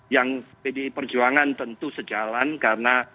yang pdi perjuangan tentu sejalan karena